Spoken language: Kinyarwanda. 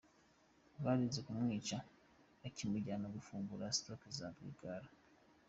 Barinze bamwica bakimujyana gufungura za stocks za Rwigara.